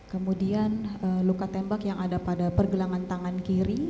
kemudian luka tembak yang ada pada pergelangan tangan kiri